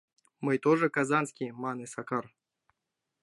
— Мый тожо казанский, — мане Сакар.